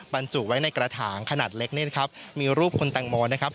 บรรจุไว้ในกระถางขนาดเล็กนี่นะครับมีรูปคุณแตงโมนะครับ